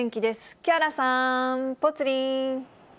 木原さん、ぽつリン。